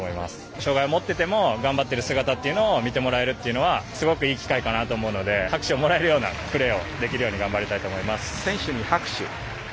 障がいを持っていても頑張っている姿というのも見てもらえるというのはすごくいい機会かなと思うので拍手をもらえるようなプレーをできるように頑張ります。